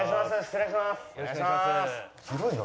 失礼します。